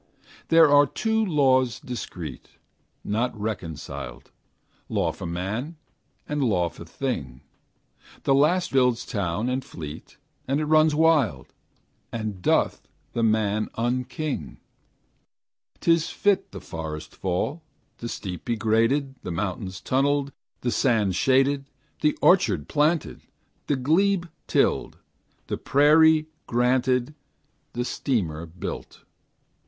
There are two laws discrete, Not reconciled, Law for man, and law for thing; The last builds town and fleet, But it runs wild, And doth the man unking. 'T is fit the forest fall, The steep be graded, The mountain tunnelled, The sand shaded, The orchard planted, The glebe tilled, The prairie granted, The steamer built.